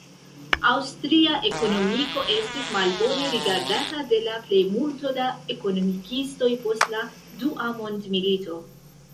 Aŭstria ekonomiko estis malbone rigardata de la plejmulto da ekonomikistoj post la Dua mondmilito.